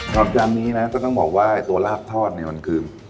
จานนี้นะก็ต้องบอกว่าตัวลาบทอดเนี่ยมันคือ